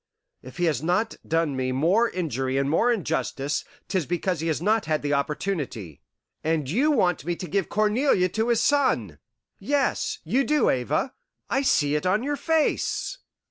If he has not done me more injury and more injustice, 'tis because he has not had the opportunity. And you want me to give Cornelia to his son! Yes, you do, Ava! I see it on your face.